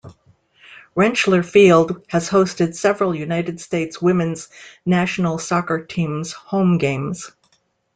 Rentschler Field has hosted several United States women's national soccer team's home games.